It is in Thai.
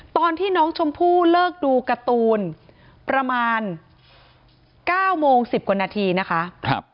ตอนที่น้องชมพู่เลิกดูการ์ตูนประมาณ๙โมง๑๐กว่านาทีนะคะ